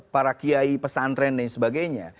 para kiai pesantren dan sebagainya